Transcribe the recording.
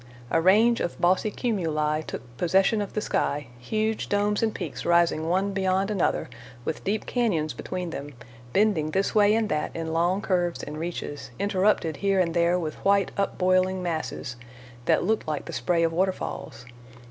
A range of bossy cumuli took possession of the sky, huge domes and peaks rising one beyond another with deep cañons between them, bending this way and that in long curves and reaches, interrupted here and there with white upboiling masses that looked like the spray of waterfalls.